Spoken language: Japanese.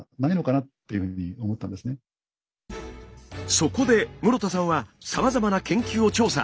そこで室田さんはさまざまな研究を調査。